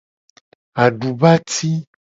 Adubati.